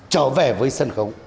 trở về với sân khấu